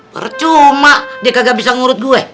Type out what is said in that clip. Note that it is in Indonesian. percuma dia kagak bisa ngurut gue